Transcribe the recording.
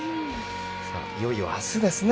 いよいよ明日ですね